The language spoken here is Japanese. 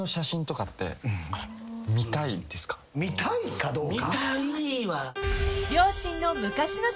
見たいかどうか。